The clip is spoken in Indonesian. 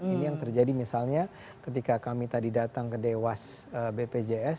ini yang terjadi misalnya ketika kami tadi datang ke dewas bpjs